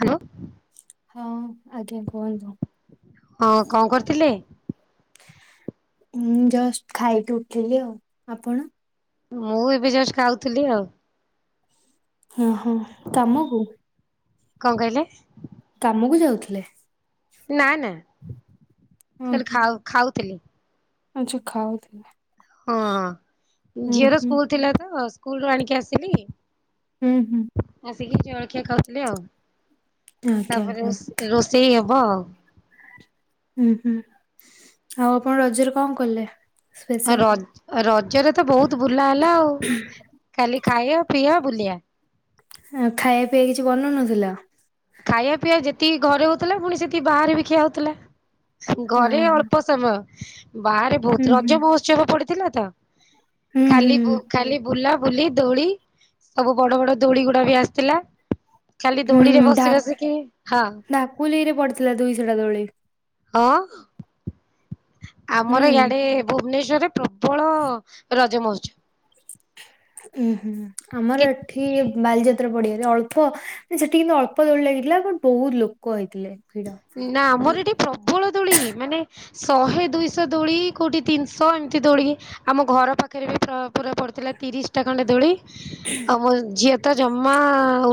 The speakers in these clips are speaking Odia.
ହ୍ୟାଲୋ। ହଁ ଆଜ୍ଞା କୁହନ୍ତୁ। ହଁ କଣ କରୁଥିଲେ? ଉଁ ମୁଁ ଜଷ୍ଟ ଖାଇକି ଉଠିଲି ଆଉ। ଆପଣ? ମୁଁ ଏବେ ଜଷ୍ଟ ଖାଉଥିଲି ଆଉ। ଉଁ ହଁ କାମକୁ। କଣ କହିଲେ? କାମକୁ ଯାଉଥିଲେ? ନାଁ ନାଁ ହୁଁ ଖାଲି ହୁଁ। ଖାଉ ଖା ଖାଉଥିଲି। ଆଚ୍ଛା ଖାଉଥିଲେ। ହଁ ହୁଁ ଝିଅର ହୁଁ। ସ୍କୁଲ ଥିଲା ତ ସ୍କୁଲ ରୁ ଆଣିକି ଆସିଲି ହୁଁ ହୁଁ। ଆସିକି ଜଳଖିଆ ଖାଉଥିଲେ ଆଉ। ଆଜ୍ଞା ତାପରେ ଆଜ୍ଞା ରୋଷେଇ ହବ ଆଉ ହୁଁ ହୁଁ। ଆଉ ଆପଣ ରଜରେ କଣ କଲେ? ସ୍ପେଶାଲ ରଜ ରଜରେ ତ ବହୁତ ବୁଲା ହେଲା ଆଉ। ଖାଲି ଖାଇବା ପିବା ବୁଲିବା। ହାଁ ଖାଇବା ପିଇବା କିଛି ବନଉନଥିଲ। ଖାଇବା ପିଇବା ଯେତିକି ଘରେ ହଉଥିଲା ପୁଣି ସେତିକି ବାହାରେ ବି ଖିଆ ହଉଥିଲା। ହଁ ଘରେ ହଁ ଅଳ୍ପ ସମୟ ବାହାରେ ହୁଁ ବହୁତ ହୁଁ। ରଜ ମହୋତ୍ସବ ପଡିଥିଲା ତ ହୁଁ ଖାଲି ବୁ ହୁଁ ଖାଲି ବୁଲା ବୁଲି ଦୋଳି ସବୁ ବଡ ବଡ ଦୋଳି ଗୁଡା ବି ଆସିଥିଲା ଖାଲି ଦୋଳିରେ ବସି ଧା ବସିକି ହଁ ଧାକୁଲେଇରେ ପଡିଥିଲା ଦୁଇଶହ ଟା ଦୋଳଳି। ଅଁ। ହୁଁ ଆମର ଇଆଡେ ଭୁବନେଶ୍ଵରରେ ପ୍ରବଳ ରଜ ମହୋତ୍ସବ ଉଁ ହୁଁ। ଆମର କେ ଏ ଏଠି ବାଲିଯାତ୍ରା ପଡିଆରେ ଅଳ୍ପ ସେଠି କିନ୍ତୁ ଅଳ୍ପ ଦୋଳି ଲାଗିଥିଲା। ବଟ ବହୁତ ଲୋକ ହେଇଥିଲେ। ଭିଡ। ନାଁ ଆମର ଏଠି ପ୍ରବଳ ଦୋଳି ମାନେ ଶହେ ଦୁଇଶହ ଦୋଳି କୋଉଠି ତିନିଶହ ଏମିତି ଦୋଳିି ଆମ ଘର ପାଖରେ ବି ପ୍ର ପୁରା ପଡିଥିଲା ତିରିଶଟା ଖଣ୍ଡେ ଦୋଳି ଆଉ ମୋ ଝିଅ ତ ଜମା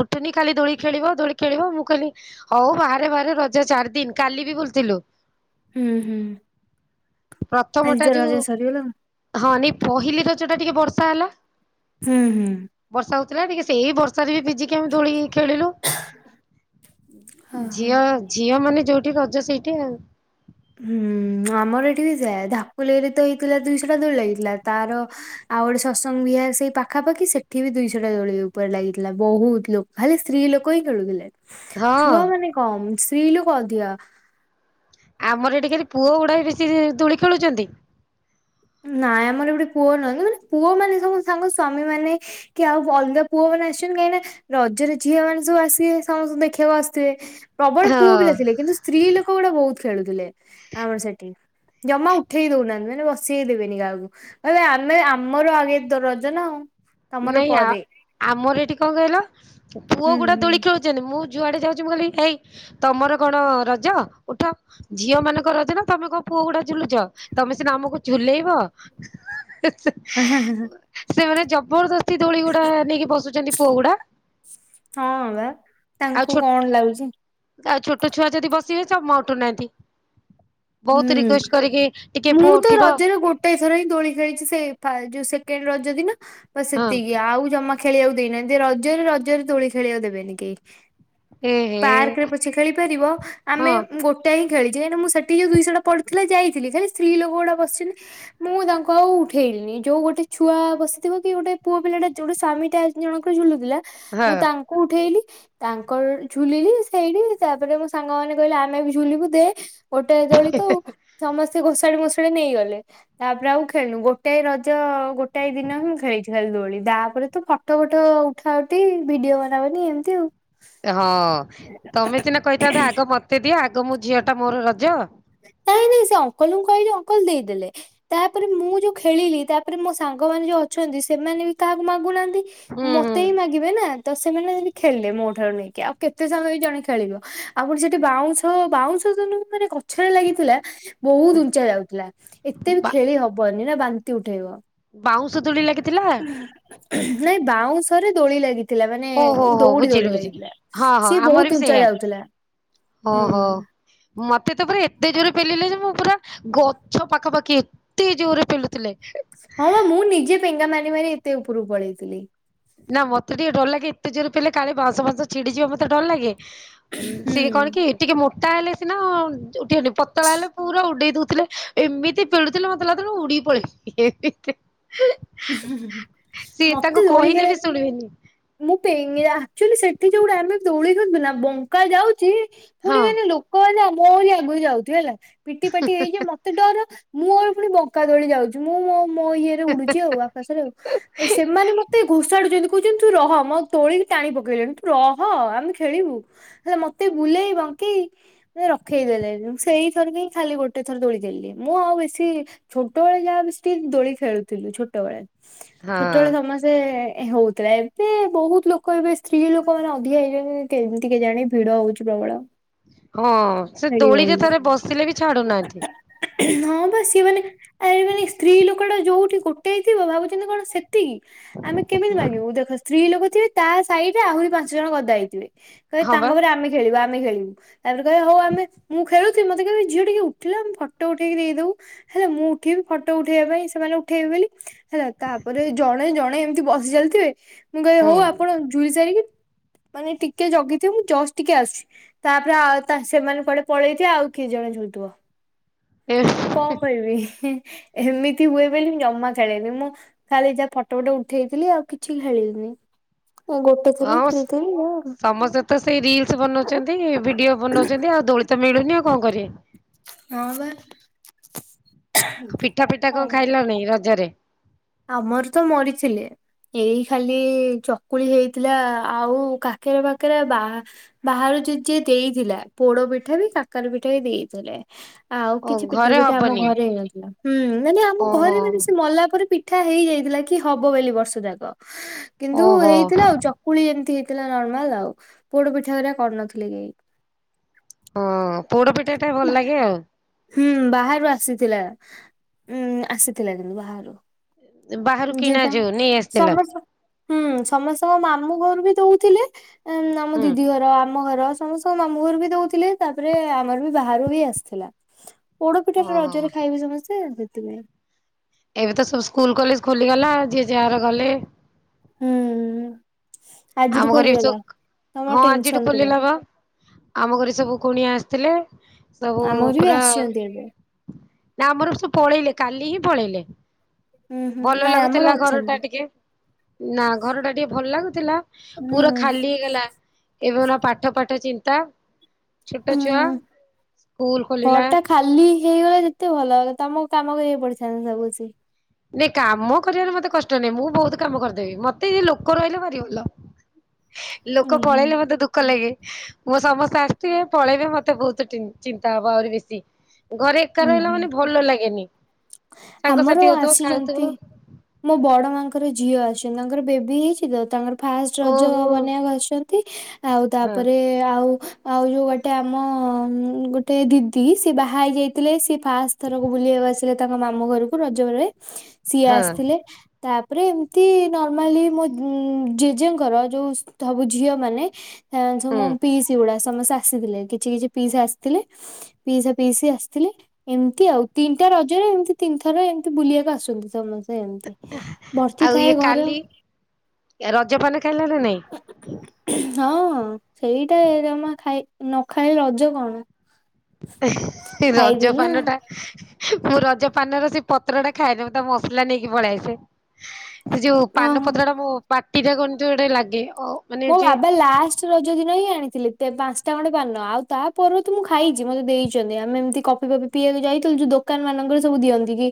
ଉ ଠିବନି ଖାଲି ଦୋଳି ଖେଳିବ ଦୋଳି ଖେଳିବ ମୁଁ କହିଲି ହୋଉ ବାହାରେ ବାହାରେ ର ଜ ଚାରି ଦିନ କାଲି ବି ବୁଲି ଥିଲୁ। ହୁଁ ହୁଁ ପ୍ରଥମ ଆଜି ଟା ତ ଯୋଉ ରଜ ସରିଗଲା ଆଉ। ହଁ ନାଁଇ ପହିଲି ରଜଟା ଟିକେ ବର୍ଷା ହେଲା ହୁଁ ହୁଁ। ବର୍ଷା ହଉଥିଲା ଟିକେ ସେଇ ବର୍ଷାରେ ବି ଭିଜି କି ଆମେ ଦୋଳି ଖେଳିଲୁ। ଓହୋ। ଝିଅ ଝିଅ ମାନେ ଯୋଉଠି ରଜ ସେଇଠି ଆଉ। ହୁଁ ଆମର ଏଠି ବି ସେୟା ଧାକୁଲେଇରେ ତ ହେଇଥିଲା ଦୁଇଶହଟା ଦୋଳି ଲାଗିଥିଲା ତାର ଆଉ ଗୋଟେ ସତସଙ୍ଗ ବିହାର ସେଇ ପାଖାପାଖି ସେଠି ବି ଦୁଇଶହଟା ଦୋଳି ଉପରେ ଲାଗିଥିଲା ବୋହୁତ ଲୋ ଖାଲି ସ୍ତ୍ରୀ ଲୋକ ହିଁ ଖେଳୁଥିଲେ ହଁ ଛୁଆ ମାନେ କମ୍ ସ୍ତ୍ରୀ ଲୋକ ଅଧିକା। ଆମର ଏଠି ଖାଲି ପୁଅ ଗୁଡା ବେଶୀ ଦୋଳି ଖେଳୁଚନ୍ତି। ନାଇଁ ଆମର ଏପଟେ ପୁଅ ନାହାନ୍ତି ମାନେ ପୁଅମାନେ ସବୁ ସାଙ୍ଗ ସ୍ଵାମୀ ମାନେ କି ଆଉ ଅଲଗା ପୁଅମାନେ ଆସୁଚନ୍ କାହିଁକି ନା ରଜରେ ଝିଅ ମାନେ ସବୁ ଆସିବେ ସମସ୍ତଙ୍କୁ ଦେଖିବାକୁ ଆସିଥିବେ। ପ୍ରବଳ ପୁଅ ହଁ ପିଲା ଥିଲେ କିନ୍ତୁ ସ୍ତ୍ରୀ ଲୋକଗୁଡା ବୋହୁତ୍ ଖେଳୁଥିଲେ ଆମର ସେଠି। ଜମା ଉଠେଇ ଦଉନାହାନ୍ତି ମାନେ ବ ସେଇ ଦେବେନି କାହାକୁ, କହିବେ ଆମେ ଆମର ଆଗେ ରଜ ନା ଆଉ। ତମର ନାଇଁ ଆଉ ପରେ। ଆମର ଏଠି କଣ କହିଲ ହୁଁ ପୁଅଗୁଡା ହୁଁ ଦୋଳି ଖେଳୁ ଚନ୍ତି। ମୁଁ ଯୁଆଡେ ଯାଉଚି ମୁଁ କହିଲି ହେଇ ତମର କଣ ରଜ ଉଠ। ଝିଅ ମାନଙ୍କର ରଜ ନା ତମେ କଣ ପୁଅଗୁଡା ଝୁଲୁଚ। ତମେ ସିନା ଆମକୁ ଝୁଲେଇବ। [unintelligible] [unintelligible] ସେମାନେ ଜବରଦସ୍ତି ଦୋଳିଗୁଡା ନେଇକି ବସୁଚନ୍ତି ପୁଅଗୁଡା। ହଁ ବା ତାଙ୍କୁ କଣ ଲାଗୁଚି। ଆଉ ଛୋଟ ଛୁଆ ଯଦି ବସିବେ ଜମା ଉଠୁନାହାନ୍ତି। ବୋହୁତ ହୁଁ ରିକ୍ୱେଷ୍ଟ କରିକି ଟିକେ ମୁଁ ପୁଅ ତ ଉଠିବ। ରଜରେ ଗୋଟେ ଥର ହିଁ ଦୋଳି ଖେଳିଚି ସେ ଫା ଯୋଉ ସେକେଣ୍ଡ ରଜ ଦିନ ବାସ୍ ହଁ ସେତିକି ଆଉ ଜମା ଖେଳିବାକୁ ଦେଇନାହାନ୍ତି। ରଜରେ ରଜରେ ଦୋଳି ଖେଳିବାକୁ ଦେବେନି କେହି। ଏ ହେ ପାର୍କରେ ପଛେ ଖେଳି ପାରିବ। ଆମେ ହଁ ମୁଁ ଗୋଟେ ହିଁ ଖେଳିଚି ହେନେ ମୁଁ ସେ ସେ ଯୋଉ ଦୁଇଶହଟା ପଡିଥିଲା ଯାଇଥିଲି ଖାଲି ସ୍ତ୍ରୀ ଲୋକ‌ଉଡା ବସି। [unintelligible] ମୁଁ ତାଙ୍କୁ ଆଉ ଉଠେଇଲିନି ଯୋଉ ଗୋଟେ ଛୁଆ ବସିଥିବ କି ଗୋଟେ ପୁଅ ପିଲାଟେ ଜୋଡେ ସ୍ଵାମୀଟେ ଆ ଜଣଙ୍କର ଝୁଲୁଥିଲା ହଁ ମୁଁ ତାଙ୍କୁ ଉଠେଇଲି। ତାଙ୍କର ଝୁଲିଲି ସେଇଠି ତାପରେ ମୋ ସାଙ୍ଗମାନେ କହିଲେ ଆମେ ବି ଝୁଲିବୁ ଦେ ଗୋଟେ ଦୋଳି ତ ଆଉ ସମସ୍ତେ ଘୋଷାଡି ମୋଷାଡି ନେଇଗଲେ। ତାପରେ ଆଉ ଖେଳିନୁ ଗୋଟଏ ରଜ ଗୋଟାଏ ଦିନ ମୁଁ ଖେଳିଚି ଖାଲି ଦୋଳି ତାପରେ ତୁ ପ ଫଟ ଫଟ ଉଠା ଉଠି ଭିଡିଓ ବନାବନି ଏମିତି ଆଉ। ହଁ ତମେ ସିନା କହିଥାନ୍ତ ଆଗ ମତେ ଦିଅ ଆଗ ମୁଁ ଝିଅଟା ମୋର ରଜ। ନାଇଁ ନାଇଁ ସେ ଅଙ୍କଲଙ୍କୁ କହିଲେ ଅଙ୍କଲ ଦେଇଦେଲେ। ତାପରେ ମୁଁ ଯୋଉ ଖେଳିଲି ତାପରେ ମୋ ସାଙ୍ଗମାନୋନ ଯୋଉ ଅଛନ୍ତି। ସେମାନେ ବି କାହାକୁ ମାଗୁନାହାନ୍ତି। ହୁଁ ହୁଁ ମତେ ହିଁ ମାଗିବେ ନା ତ ସେମାନେ ବି ଖେଳିଲେ ମୋଠାରୁ ନେଇକି ଆଉ କେତେ ସମୟ ବି ଜଣେ ଖେଳିବ। ଆଉ ଫୁଣି ସେଠି ବାଉଁଶ ବାଉଁଶ [unintelligible] ମାନେ କ ଗଛରେ ଲାଗିଥିଲା ବହୁତ୍ ଉଞ୍ଚା ଯାଉଥିଲା ଏତେ ବି ବା ଖେଳି ହବନି ନା ବାନ୍ତି ଉଠେଇବ ବାଉଁଶ ଦୋଳି ଲାଗିଥିଲା ନାଇଁ ବାଉଁଶ ରେ ଦୋଳି ଲାଗିଚି। ଥିଲା ମାନେ ଓହୋ ହୋ ଦୌଡି ବୁଝିଲି ଦୌଡ଼ି ବୁଝିଲି ଲାଗିଥିଲା ହଁ ହଁ ସିଏ ଆମର ବହୁତ୍ ବି ଉଞ୍ଚା ସେଇଆ ଯାଉଥିଲା। ହୁଁ। ଓହୋ। ମତେ ତ ପୁରା ଏତେ ଜୋରେ ପେଲିଲେ ଯେ ମୁଁ ପୁରା ଗଛ ପାଖାପାଖି ଏତେ ଜୋରରେ ପେଲୁଥିଲେ। ହଇଓ ମୁଁ ନିଜେ ପେଙ୍ଗା ମାରି ମାରି ଏତେ ଉପରକୁ ପଳେଇଥିଲି। ନା ମତେ ଟିକେ ଡର ଲାଗେ ଏତେ ଜୋର ପିଲଲେ କାଳେ ବାଂଶ ଫାଶ ଛିଡିଯିବା ମତେ ଡର ଲାଗେ। ସିଏ ହୁଁ। କଣ କି ଟିକେ ମୋଟା ହେଲେ ସିନା ଯୋଉଠି ହେଲେ ପତଳା ହେଲେ ପୁରା ଉଡେଇ ଦଉଥିଲେ ଏମିତି ପେଳୁଥିଲଥିଲେ ମତେ ଲାଗୁଥିଲା ମୁଁ ଉଡ଼ିକୀ ପଳେଇବି। ସିଏ ମତେ ତାଙ୍କୁ ଦୋଳି କହିଲେ ବି ଖେଳିବାକୁ ଶୁଣିବେନି। ମୁଁ ପି ଆକଚୁଉଲି ସେଠି ଯୋଉ ଆମେ ଦୋଳି ଝୁଳୁଥିଲୁ ବଙ୍କା ଯାଉଚି ପୁଣି ହଁ ମାନେ ଲୋ କୁହ ନା ମୋରି ଆଗକୁ ଯାଉଥିବ ହେଲା ପିଟି ପାଟି ହେଇଯିବ ମତେ ମତେ ଡର ମୋର ପୁଣି ବଙ୍କାଦୋଳି ଯାଉଛି ମୁଁ ମୋ ଇଏରେ ଉଡୁଛି ଆଉ ଆକାଶରେ ଆଉ। ଆଉ ସେମାନେ ମତେ ଘୋଷାଡୁଚନ୍ତି କହୁଛନ୍ତି ତୁ ରହ ମୋ ଦୋଳିକି ଟାଣି ପକେଇଲେଣି ତୁ ରହ ଆମେ ଖେଳିବୁ। ହେ ମତେ ବୁଲେଇ ବଙ୍କେଇ ରଖେଇଦଲେନି ସେଇ ଥର ହିଁ ଖାଲି ଗୋଟେ ଥର ଦୋଳି ଖେଳିଲି ମୁଁ ଆଉ ବେଶୀ ଛୋଟବେଳେ ଯାହା ଟିକେ ଦୋଳି ଖେଳୁଥିଲି ଛୋଟବେଳେ ହଁ ଛୋଟବେଳେ ସମସ୍ତେ ଯେ ହଉଥିଲା ଏବେ ବହୁତ୍ ଲୋକ ଏବେ ସ୍ତ୍ରୀ ଲୋକ ମାନେ ଅଧିକା ହେଇଯାଉଚନ୍ତି। କେମିତି କେଜାଣି ଭିଡ ହଉଚି ପ୍ରବଳ। ହଁ ସେ ଖେଳି ଦୋଳିରେ ହଉନି। ଥରେ ବସିଲେ ବି ଛାଡୁନାହାନ୍ତି। ହଁ ବା ସିଏ ମାନେ ଆ ମାନେ ସ୍ତ୍ରୀ ଲୋକ ଟା ଯୋଉଠି ଗୋଟେ ଥିବ ଭାବୁଚନ୍ତି କଣ ସେ ତିକି ଆମେ କେମିତି ମାଗିବୁ ଦେଖ ସ୍ତ୍ରୀ ଲୋକ ଥିବେ ତା ସହିଡରେ ଆହୁରି ପାଞ୍ଚ ଜଣ ଗଦା ହେଇଥିବେ। କହିବେ ହଁ ବା ତାଙ୍କ ପରେ ଆମେ ଖେଳିବୁ ଆମେ ଖେଳିବୁ। ତାପରେ କହିବେ ହୋଉ ଆମେ ମୁଁ ଖେଳୁଚି ମତେ କହିବି ଝିଅ ଟିକେ ଉଠିଲ ଆମେ ଫଟୋ ଉଠେଇି ଦେଇଦୋଉ। ହେଲେ ମୁଁ ଉଠିବି ଫଟୋ ଉଠେଇବା ପାଇଁ ସେମାନଙ୍କୁ ଉଠେଇବେ ବୋଲି ହେଲା ତାପରେ ଜଣେ ଜଣେ ଏମିତି ବସି ଚାଲିଥିବେ ମୁଁ କହିବି ହୁଁ ହଉ ଆପଣ ଝୁଳି ସାରିକି ମାନେ ଟିକେ ଜଗିଥିବ ମୁଁ ଜଷ୍ଟ ଟିକେ ଆସୁଚି। ତାପରେ ଆଉ ତା ସେମାନେ କୁଆଡେ ପଳେଇଥିବେ ଆଉ କିଏ ଜଣେ ଝୁଥିବ। ଆଉ କଣ କହିବି ଏମିତି ହୁଏ। ମୁ ଜମା ଖେଳନି ମୁଁ ଖାଲି ଯାହା ଫଟୋ ଫଟ ଉଠେଇଥିଲି ଆଉ କିଛି ଖେଳିଲିନି। ହଁ ଗୋଟ୍ ଅସ୍ ସମସ୍ତେ ତ ସେଇ ରିଲସ ବନୋଉଚନ୍ତି ଭିଡିଓ ବନୋଉଚନ୍ତି ଆଉ ଦୋଳି ତ ମିଳୁନି ଆ କଣ କରିବ? ହଁ ବା। ପିଠା ପିଠା କଣ ହଉ। ଖାଇଲଣି ରଜରେ? ଆମର ତ ମରିଥିଲେ। ଏଇ ଖାଲି ଚକୁଳି ହେଇଥିଲା ଆଉ କାକେରା ପାଖେରା ବା ବାହାରୁ ଯିଦି ଯିଏ ଦେଇଥିଲା ପୋଡ ପିଠା ବି କାକର ପିଠା ବି ଦେଇଥିଲେ। ଆଉ ଓ କିଛି ପିଠା ଘରେ ପିଠା ଆମ ହବନି ଘରେ ହେଇନଥିଲା ହୁଁ ମାନେ ଆମ ଓହୋ ଘରେ ମାନେ ସେ ମଲା ପରେ ପିଠ ପିଠା ହେଇଯାଇଥିଲା କି ହବ ବୋଲି ବର୍ଷ ଯାକ କିନ୍ତୁ ଓହୋ ହେଇଥିଲା ଚ କୁଳି ଏମିତି ହେଇଥିଲା ନର୍ମାଲ ଆଉ ପୋଡ ପିଠାରା କରିନଥିଲେ କେହି। ହଁ, ପୋଡ ପିଠାଟା ଭଲ ଲାଗେ ଆଉ। ହୁଁ, ବାହାରୁ ଆସିଥିଲା। ଉଁ, ଆସିଥିଲା କିନ୍ତୁ ବାହାରୁ। ବାହାରୁ [unintelligible] କିଣା ହୁଁ, ଯୋଉ ନେଇ ଆସିଥିଲ ସମସ୍ତଙ୍କ ମାମୁଁ ଘରକୁ ଦଉଥିଲେ ଆମ ହୁଁ। ଦିଦି ଘର ଆମ ଘର ସମସ୍ତଙ୍କ ମାମୁଁ ଘର ବି ଦଉଥିଲେ, ତାପରେ ଆମର ବି ବାହାରୁ ବି ଆସିଥିଲା। ପୋଡ ପିଠା ଟା ଓହୋ ରଜରେ ଖାଇବି, ସମସ୍ତେ। [unintelligible] ଏବେ ତ ସବୁ ସ୍କୁଲ କଲେଜ ଖୋଲିଗଲା, ଯିଏ ଯାହାର ଗଲେ। ହୁଁ। ଆଜିଠୁ ଆମ [unintelligible] ଖୋଲିଗଲା। ତମର ହଁ, ଆଜିଠୁ ଟେନସନ ପୁରା ଖୋଲିଲା ବା। ଆମ ଘରେ ସବୁ କୁଣିଆ ଆସିଥିଲେ, ସବୁ ଆମ ଘରୁ ବି ପୁରା ଆସିଛନ୍ତି ଏବେ ନା, ଆମର ସବୁ ପଳେଇଲେ। କାଲି ହିଁ ପଳେଇଲେ। ହୁଁ ହୁଁ ଭଲ ନାଇଁ ଆମର ଲାଗୁଥିଲା ଘର ଟା ଅଛନ୍ତି। ଟିକେ ନା, ଘର ଟା ଟିକେ ଭଲ ଲାଗୁଥିଲା। ହୁଁ ପୁରା ଖାଲି ହେଇଗଲା ଏବେ, ନା ପାଠ ପାଠ ଚିନ୍ତା। ଛୋଟ ହୁଁ, ଛୁଆ ସ୍କୁଲ ଖୋଲିଲା। ଘର ଟା ଖାଲି। ଖାଲି ହେଇଗଲେ ଯେତେ ଭଲ ହେଲା, ତମକୁ କାମ କରିବାକୁ ପଡିଥାନ୍ତା ସବୁ କିଛି। ନାଇଁ, କାମ କରିବାରେ ମତେ କଷ୍ଟ ନାହିଁ। ମୁଁ ବହୁତ କାମ କରିଦେବି। ମତେ ଲୋକ ରହିଲେ ଭାରି ଭଲ। ଲୋକ ଉୁଁ ହୁଁ ପଳେଇଲେ ମତେ ଦୁଃଖ ଲାଗେ, ମୁଁ ସମସ୍ତେ ଆସିଥିବେ, ପଳେଇବେ, ମତେ ବହୁତ ଚିନ୍ତା ହବ, ଆହୁରି ବେଶି। ଘରେ ଏକା ଉୁଁ ରହିଲା ହୁଁ ମାନେ ଭଲ ଲାଗେନି, ଆମର ସାଙ୍ଗସାଥି ହେଉଥିବ। ଆସିଛନ୍ତି ମୋ ବଡ ମାଙ୍କର ଝିଅ ଆସଛନ୍ତି। ତାଙ୍କର ବେବି ହେଇଛି, ତ ତାଙ୍କର ଫାଷ୍ଟ ରଜ ଓହୋ ବନେଇବାକୁ ଆସିଛନ୍ତି ଆଉ ହଁ ତାପରେ ଆଉ ଆଉ ଯୋଉ ଗୋଟେ ଆମ ଗୋଟେ ଦିଦି, ସେ ବାହା ହେଇ ଯାଇ ଥିଲେ। ସିଏ ଫାଷ୍ଟ ଥରକୁ ବୁଲିବାକୁ ଆସିଲେ ତାଙ୍କ ମାମୁଁ ଘରକୁ ରଜବେଳେ ସିଏ ହଁ ଆସିଥିଲେ। ତାପରେ ଏମିତି ନର୍ମାଲ, ମୋ ଜେଜେଙ୍କର ଯୋଉ ସବୁ ଝିଅ ମାନେ ସବୁ ହୁଁ ମୋ ପିଉସ ଗୁଡା, ସମସ୍ତେ ଆସିଥିଲେ। କିଛି କିଛି ପିଉସା ଆସିଥିଲେ ପିଉସି ପିଉସା ଆସିଥିଲେ। ଏମିତି ଆଉ ତିନିଟା ରଜରେ, ଏମିତି ତିନି ଥର ଏମିତି ବୁଲିବାକୁ ଆସୁଛନ୍ତି ସମସ୍ତେ। [unintelligible] ଏମିତି। ବର୍ତ୍ତି ଆଉ ଇଏ ଥାଏ ଘର। କାଲି ରଜପାନ ଖାଇଲାଣି ନାଇଁ? [inaudible] [unintelligible] ହଁ, ସେଇଟା ଜମା ଖାଇ ନ ଖାଇଲେ ରଜ କଣ? [unintelligible] ରଜ ଖାଇଥିଲି ନା ପାନ ଟା [unintelligible] ମୁଁ ରଜ ପାନର ସେ ପତ୍ରଟା ଖାଏନି, ମୁଁ ତା ମସଲା ନେଇକି ପଳାଇଆସେ। ସେ ଯୋଉ ଓହୋ ପାନପତ୍ରଟା, ମୋ ପାଟିଟା କଣ ଗୋଟେ ଲାଗେ ଆ। ମୋ ବାବା ଲାଷ୍ଟ ସେ ରଜ ଦିନ ହିଁ ଆଣିଥିଲି। ତେବେ ପାଞ୍ଚଟା ଖଣ୍ଡେ ପାନ ଆଉ ତାପରେ ତ ମୁଁ ଖାଇଛି। ମୋତେ ଦେଇଛନ୍ତି, ଆମେ ଏମିତି କଫି କଫି ପିଇବାକୁ ଯାଇଥିଲୁ, ଯୋଉ ଦୋକାନ ମାନଙ୍କରେ ସବୁ ଦିଅନ୍ତି କି?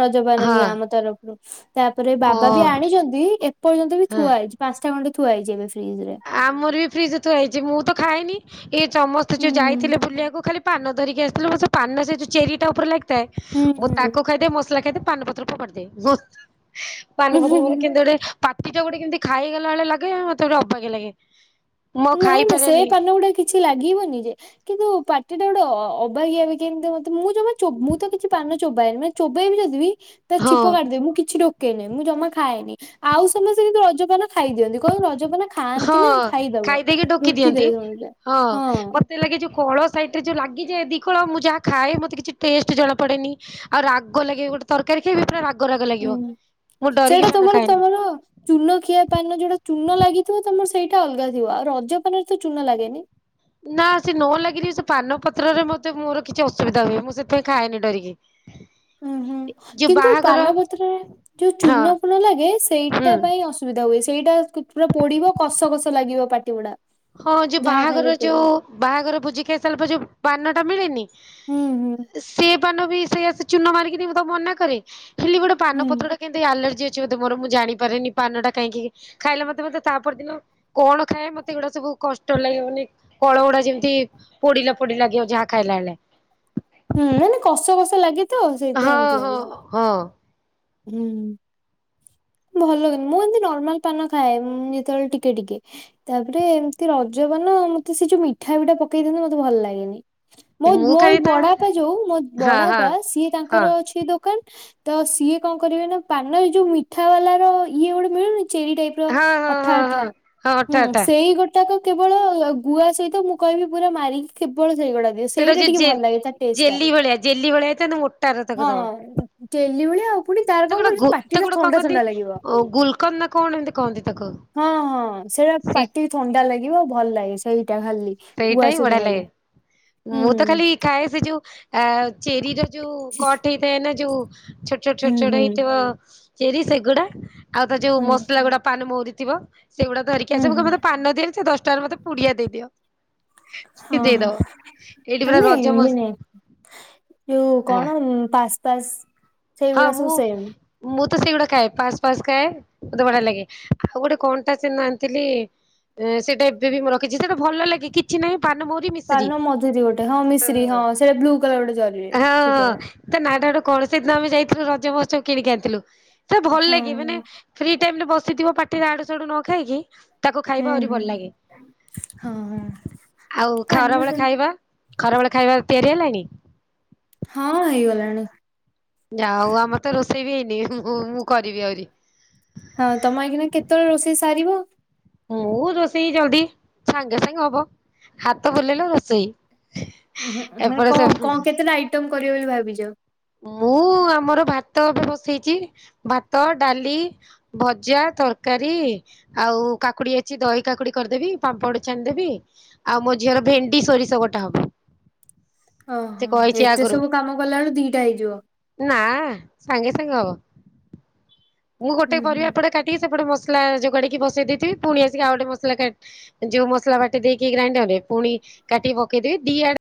ରଜପାନ ହଁ ନିଅ, ଆମ ତରଫରୁ। ତାପରେ ଓ ବାବା ବି ଆଣିଛନ୍ତି, ଏପର୍ଯ୍ୟନ୍ତ ବି ହଁ ଥୁଆ ହେଇଛି। ପାଞ୍ଚଟା ଖଣ୍ଡେ ଥୁଆ ହେଇଛି ଏବେ ଫ୍ରିଜରେ। ଆମର ବି ଫ୍ରିଜରେ ଥୁଆ ହେଇଛି। ମୁଁ ତ ଖାଇଏନି, ଏଇ ସମସ୍ତେ ହୁଁ ଯୋଉ ଯାଇଥିଲେ ବୁଲିବାକୁ, ଖାଲି ପାନ ଧରିକି ଆସିଥିଲେ। ସେ ପାନ ସେଉ ଚେରି ଟା ଉପରେ ଲାଗିଥାଏ, ହୁଁ ଓ ହୁଁ ହୁଁ ତାକୁ ଖାଇଦେ ମସଲା ଖାଇଦେ ପାନ ପତ୍ର ଫୋପାଡି ଦିଏ। [unintelligible] ପାନ ହୁଁ ପତ୍ର ହୁଁ। ମାନେ କେମିନ୍ତି ଗୋଟେ ପାଟିଟା ଗୋଟେ କେମିତି ଖାଇଗଲା ଭଳିଆ ଲାଗେ, ମତେ ଅବାଗିଆ ଲାଗେ। ମୁଁ ଆଉ ନାଇଁ ନା, ସେ ଖାଇପାରେନି ପାନଗୁଡା କିଛି ଲାଗିବନି ଯେ। କିନ୍ତୁ ପାଟିଟା ଗୋଟେ ଅବାଗିଆ ଅବାଗିଆ କେମିତି ମୋତେ। ମୁଁ ଜମା ମୁଁ ତ କିଛି ପାନ ଚୋବାଏ ନି ମାନ। ଚୋବେଇବି ଯଦିବି। ତା ହଁ ଚିପ କାଢିଦେ। ମୁଁ କିଛି ଢ଼ୋକେନି, ମୁଁ ଜମା ଖାଏନି, ଆଉ ସମସ୍ତେ କିିନ୍ତୁ ରଜପାନ ଖାଇଦିଅନ୍ତି କଉ ରଜପନା ଖାଆନ୍ତି ନା ଖାଇଦବ। ଦେଇକି ଢ଼ୋକି ଦିଅନ୍ତି ରୋକିଦେବେ ସମସ୍ତେ ହଁ ମତେ ଲାଗେ ଯୋ କଳ ସାଇଟିରେ ଯୋଉ ଲାଗିଯାଏ ଦି କଳ ମୁଁ ଯାହା ଖାଏ ମତେ କିଛି ଟେଷ୍ଟ ଜଣାପଡେନି। ଆଉ ରାଗ ଲାଗେ ଗୋଟେ ତରକାରୀ ଖାଇବି ପୁରା ରାଗ ରାଗ ଲାଗିବ। ହୁଁ ମୁଁ ଡରିକି ପାନ ଖାଏନି। ଚୁନଖିଆ ପାନ ଯୋଉଟା ଚୂନ ଲାଗିଥିବ ତମର ସେଇଟା ଅଲଗା ଥିବ। ଆଉ ରଜ ପାନରେ ତ ଚୁନ ଲାଗେନି। ନା ସେ ନ ଲାଗିରି ସେ ପାନ ପତ୍ରରେ ମୋତେ ମୋର କିଛି ଅସୁବିଧା ହୁଏ। ମୁଁ ସେଥିପାଇଁ ଖାଏନି ଡରିକି। ହୁଁ ହୁଁ ଯୋଉ କିନ୍ତୁ ବାହାଘର ପାନପତ୍ରରେ ଯୋଉ ହଁ ଚୂନ ଫୂନ ଲାଗେ ହୁଁ। ସେଇଟା ପାଇଁ ଅସୁ ସୁବିଧା ହୁଏ। ସେଇଟା ପୁରା ପୋଡିବ କସ କସ ଲାଗିବ ପାଟି ଗୁଡାକ। ହଁ ଯୋଉ ବାହାଘର ଯୋଉ ବାହାଘର ଭୋଜି ଖାଇ ସାରିଲା ପରେ ଯୋ ପାନଟା ମିଳେନି ହୁଁ ହୁଁ। ସେ ପାନ ବି ସେଇଆ ଚୂନ ମାରିକି ମୁଁ ତାକୁ ମନା କରେ। ହେଲି ଗୋଟେ ହୁଁ ପାନ ପତ୍ରଟେ କିମିତି ଆଲର୍ଜି ଅଛି ବୋଧେ ମୋର। ମୁଁ ଜାଣିପାରେନି। ପାନ ଟା କାହିଁକି ଖାଇଲେ ମତେ ମତେ ତା ପରଦିନ କଣ ଖାଏ ମତେ ଏମିତି ଗୁଡାକ ସବୁ କଷ୍ଟ ଲାଗିବନି କଳ ଗୁଡାକ ଯେମିତି ପୋଡିଲା ପୋଡିଲା ଲାଗିବ ଯାହା ଖାଇଲା ବଳେ। ହୁଁ ମାନେ କସ କସ ଲାଗେ। ତ ସେଇଥିପାଇଁ ହଁ ଏମିତି ହଁ ଲାଗିବ ହଁ। ହୁଁ। ଭଲ କି ମୁଁ ଏମିତି ନର୍ମାଲ ପାନ ଖାଏ ମୁଁ ଯେତେବେଳେ ଟିକେ ଟିକେ। ତାପରେ ଏମିତି ରଜପାନ ମତେ ସେ ଯୋଉ ମିଠା ମିଠା ପକେଇ ଦିଅନ୍ତି ମତେ ଭଲ ଲାଗେନି। ମୋ ମୁଁ ମୋ ଖାଲି ବଡ ତା ବାପା ଯୋଉ ମୋ ହଁ ହଁ ବଡପା ସିଏ ହଁ ତାଙ୍କର ଅଛି ଦୋକାନ। ତ ସିଏ କଣ କରିବେ ନା ପାନରେ ଯୋଉ ମିଠା ବାଲା ର ଇଏ ଗୋଟେ ମିଳୁନି ଚେରି ଟାଇପ ର ହଁ ହଁ ଅଠା ହଁ ହଁ ଅଠା ହଁ ଅଠା ହୁଁ ଅଠା ସେଇ ଗୋ ଟା କେବଳ ଗୁଆ ସହିତ ମୁଁ କହିବି ପୁରା ମାରିକି କେବଳ ସେଇଗୁଡା ସେଇଟା ଯୋଉ ଟିକେ ଜେ ଭଲ ଲାଗେ ତା ଟେଷ୍ଟ ଟା। ଜେଲି ଭଳିଆ ଜେଲି ଭଳିଆ ହେଇଥାନ୍ତା ମୋଟାର ତାକୁ ଦବ। ହଁଅ। ଡେଲି ଭଳିଆ ଆଉ ପୁଣି ତାର ତାକୁ କଣ ଗୋଟେ କି ଗୁ ପାଟିଟା ତାକୁ ଗୋଟେ କଣ ଥଣ୍ଡା କହନ୍ତି ଥଣ୍ଡା ଲାଗିବ। ଓ ଗୁଲକନ୍ଦ ନା କଣ ଏମିତି କହନ୍ତି ତାକୁ ହଁ ହଁ ସେଇଆ ସେ ପାଟି କି ଥଣ୍ଡା ଲାଗିବ ଭଲ ଲାଗେ ସେଇଟା ଖାଲି। ସେଇଟା ଗୁଆ ହି ସହିତ ବଢିଆ ଲାଗେ ଖାଇଲେ ମୁଁ ତ ହୁଁ ଖାଲି। ଖାଏ ସେ ଯୋଉ ଆ ଚେରିର ଯୋଉ କଟ ହେଇଥାଏ ନା ଯୋଉ ଛୋ ଛ ଛୋଟ ଛୋଟ ହୁଁ ଛୋଟ ହୁଁ ହେଇଥିବ ଚେରି ସେଗୁଡା ଆଉ ତା ଯୋଉ ହୁଁ ମସଲା ଗୁଡା ପାନମହୁରି ଥିବ। ସେଗୁଡା ଧରିକି ହୁଁ ଆସେ। ମୁଁ ହୁଁ କହେ ମୋତେ ପାନ ଦିଅନି ସେ ଦଶଟଙ୍କାର ମତେ ପୁଡିଆ ଦେଇଦିଅ। [unintelligible] ସେ ହଁ ହଁ ଦେଇଦବ। ଏଇଠି ପରା ରଜ ମସ୍ ଯୋ କଣ ପାସ୍ ପାସ୍ ହଁ ସେଇଗୁଡା ସବୁ ମୁଁ ସେମ୍ ମୁଁ ତ ସେଇଗୁଡା ଖାଏ। ପାସ୍ ପାସ୍ ଖାଏ। ମୋତେ ବଢିଆ ଲାଗେ ଆଉ ଗୋଟେ କଣଟା ସେନ ଆଣିଥିଲି? ସେଇଟା ଏବେ ବି ମୁଁ ରଖଛି। ସେଟା ଭଲ ଲାଗ କିଛି ନାହିଁ ପାନମୋହୁରି ପାନ ମଧୁରୀ ଗୋଟେ ହଁ ମିଶ୍ରୀ ହଁ ସେଟା ବ୍ଲୁ କଲର ଗୋଟେ ଜରୀରେ ଛୁଟିଆଟା। ତାନାଟା ଗୋଟେ କଣ ସେଦିନ ଆମେ ଯାଇଥିଲୁ ରଜ ମତ୍ସବ କିଣିକି ଆଣିଥିଲୁ। ସେ ଭଲ ହଁ ଲାଗେ ମାନେ ଫ୍ରି ଟାଇମ୍ ରେ ବସିଥିବ ପାଟିରେ ଆଡୁ ସାଡୁ ନ ଖାଇକି ତାକୁ ଖାଇବ ହୁଁ ଆହୁରି ହୁଁ ଭଲ ଲାଗେ। ହଁ ହଁ ଆଉ ପାନ ଖରାବେଳେ ଖାଇବା ଖରାବେଳେ ଖାଇବା ତିଆରି ହେଲାଣି? ହଁ ହେଇଗଲାଣି। ଯାହେଉ ଆମର ତ ରୋଷେଇ ବି ହେଇନି। ମୁଁ [unintelligible] ମୁଁ କରିବି ଆହୁରି। ହଁ ତମେ ଅଇଖିନା କେତେବେଳେ ରୋଷେଇ ସାରିବ? ହୋଉ ରୋଷେଇ ଜଲଦି ସାଙ୍ଗେ ସାଙ୍ଗେ ହବ। ହାତ ବୁଲେଇଲେ ରୋଷେଇ। ଉଁ ହୁଁ ମାନେ ଏପଟେ ସେ କଣ କଣ କେତେଟା ଆଇଟମ କରିବ ବୋଲି ଭାବିଛ? ମୁଁ ଆମର ଭାତ ଏବେ ବସେଇଛି ଭାତ ଡାଲି ଭଜା ତରକାରୀ ଆଉ କାକୁଡି ଅଛି ଦହି କାକୁଡି କରିଦେବି ପାମ୍ପଡ ଛାଣିିଦେବି ଆଉ ମୋ ଝିଅର ଭେଣ୍ଡି ସୋରିଷ ବଟା ହବ। ସେ ଓହୋ କହିଛି ଏତେ ଆଗରୁ ସବୁ କାମ କଲାବେଳେ ଦିଟା ହେଇଯିବ। ନା ସାଙ୍ଗେ ସାଙ୍ଗେ ହବ। ମୁଁ ଗୋଟେ ହୁଁ ପରିବା ହୁଁ। ଏପଟେ କାଟିକି ସେପଟେ ମସଲା ଯୋଗାଡିକି ବସେଇ ଦେଇଥିବି ପୁଣି ଆସିକି ଆଉ ଗୋଟେ ମସଲା କା ଯୋଉ ମସଲା ବାଟି ଦେଇକି ଗ୍ରାଇଣ୍ଡରେ ପୁଣି କାଟିକି ପକେଇଦେବି ଦି ଆଡେ